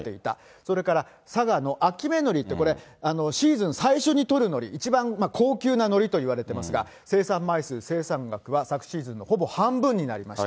それから佐賀の秋芽のりって、これ、シーズン最初に取るのり、一番高級なのりといわれてますが、生産枚数、生産額は昨シーズンのほぼ半分になりました。